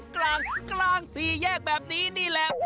กลางกลางสี่แยกแบบนี้นี่แหละ